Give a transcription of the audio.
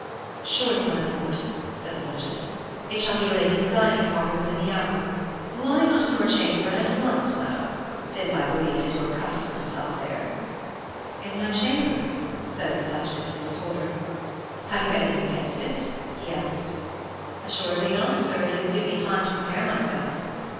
"'Surely, my lord,' said the Duchess. 'It shall be laid in the dining parlor within the hour.' "'Why not in your chamber and at once, Madam? Since I believe it is your custom to sup there.' "'In my chamber?' says the Duchess, in disorder. "'Have you anything against it?' he asked. "'Assuredly not, sir, if you will give me time to prepare myself.